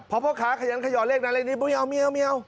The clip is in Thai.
เพราะพ่อค้าขยันขยอเลขนั้นเลยไม่เอา